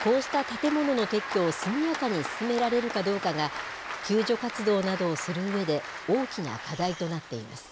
こうした建物の撤去を速やかに進められるかどうかが、救助活動などをするうえで、大きな課題となっています。